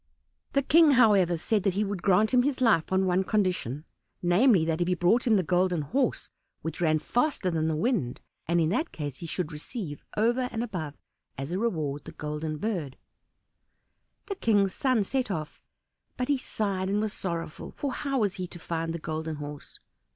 The King, however, said that he would grant him his life on one condition namely, if he brought him the Golden Horse which ran faster than the wind; and in that case he should receive, over and above, as a reward, the Golden Bird. The King's son set off, but he sighed and was sorrowful, for how was he to find the Golden Horse?